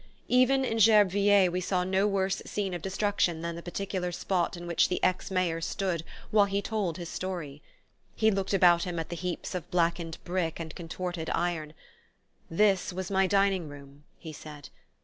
Even in Gerbeviller we saw no worse scene of destruction than the particular spot in which the ex mayor stood while he told his story. He looked about him at the heaps of blackened brick and contorted iron. "This was my dining room," he said.